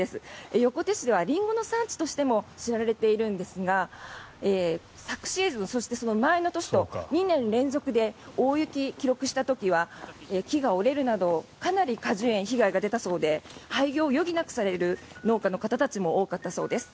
横手市はリンゴの産地としても知られているんですが昨シーズン、そしてその前の年と２年連続で大雪を記録した時は木が折れるなどかなり果樹園被害が出たそうで廃業を余儀なくされる農家の方たちも多かったそうです。